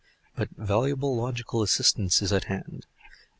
But valuable logical assistance is at hand.